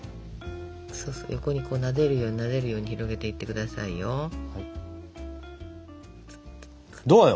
そうそう横になでるようになでるように広げていってくださいよ。どうよ？